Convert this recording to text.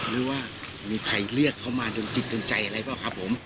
หรือว่ามีใครเลือกเขามาจนจิตกันใจอะไรเปล่าครับผม